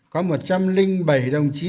có một trăm linh bảy đồng chí